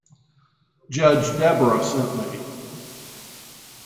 Judge Debra sent me.